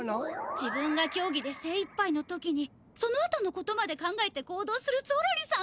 自分がきょうぎでせいいっぱいのときにそのあとのことまで考えて行動するゾロリさん